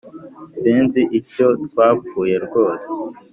Sinzi icyo twapfuye rwose